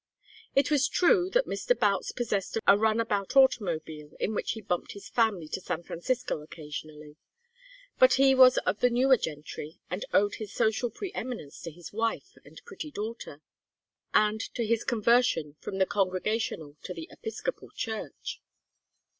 It was true that Mr. Boutts possessed a runabout automobile in which he bumped his family to San Francisco occasionally, but he was of the newer gentry and owed his social pre eminence to his wife and pretty daughter, and to his conversion from the Congregational to the Episcopal Church.